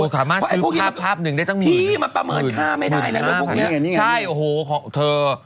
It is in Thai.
คำนี้มันประหมื่นค่าไม่ได้เลย